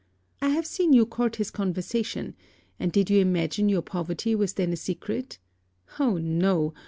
I have seen you court his conversation: and did you imagine your poverty was then a secret? Oh, no!